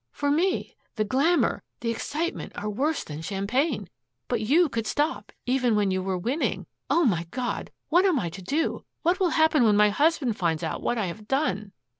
"For me the glamour, the excitement are worse than champagne. But you could stop, even when you were winning. Oh, my God! What am I to do? What will happen when my husband finds out what I have done!"